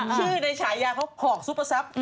ชื่อในฉายาเขาหอกซุปเปอร์ซับ